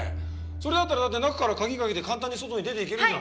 それだったらだって中から鍵かけて簡単に外に出ていけるじゃん。